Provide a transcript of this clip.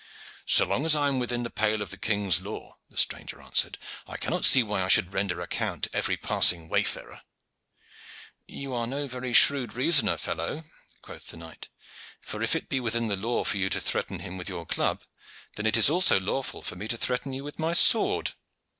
"So long as I am within the pale of the king's law," the stranger answered, "I cannot see why I should render account to every passing wayfarer." "You are no very shrewd reasoner, fellow," quoth the knight; "for if it be within the law for you to threaten him with your club, then it is also lawful for me to threaten you with my sword."